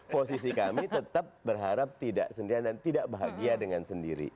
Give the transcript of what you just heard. posisi kami tetap berharap tidak sendirian dan tidak bahagia dengan sendiri